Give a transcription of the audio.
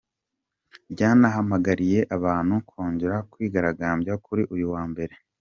Ryanahamagariye abantu kongera kwigaragambya kuri uyu wa Mbere.